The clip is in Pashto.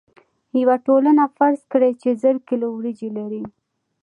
یوه ټولنه فرض کړئ چې زر کیلو وریجې لري.